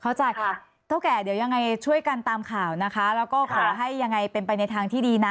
เขาจัดแท่าวแก่ยังไงช่วยกันตามข่าวแล้วก็ให้ยังไงเป็นไปในทางที่ดีนะ